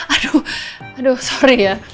aduh aduh sorry ya